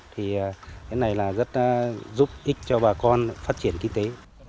th fertig này rất giúp ích cho bà con phát triển kinh tế